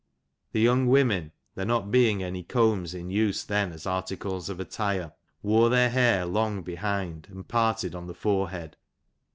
The young women, there not being any combs in use then as articles of attire, wore tjieir hair long behind, and parted on the forehead.